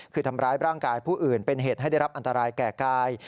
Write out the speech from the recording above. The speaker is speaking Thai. คือทำร้ายร่างกายผู้อื่นเป็นเหตุให้ได้รับอันตรายแก่กาย